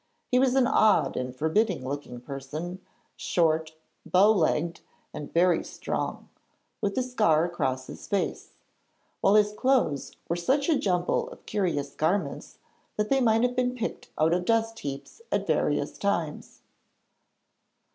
He was an odd and forbidding looking person, short, bow legged, and very strong, with a scar across his face; while his clothes were such a jumble of curious garments that they might have been picked out of dust heaps at various times.